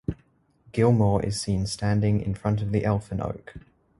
Gilmour is seen standing in front of the Elfin Oak.